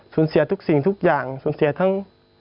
เสียทุกสิ่งทุกอย่างสูญเสียทั้ง